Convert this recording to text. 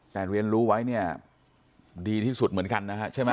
แต่เรียนรู้ไว้เนี่ยดีที่สุดเหมือนกันนะฮะใช่ไหม